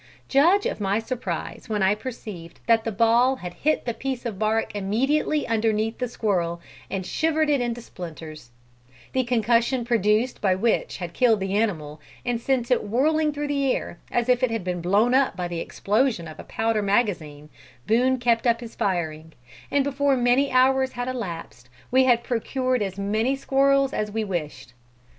Judge of my surprise, when I perceived that the ball had hit the piece of bark immediately underneath the squirrel, and shivered it into splinters; the concussion produced by which had killed the animal, and sent it whirling through the air, as if it had been blown up by the explosion of a powder magazine, Boone kept up his firing, and before many hours had elapsed, we had procured as many squirrels as we wished.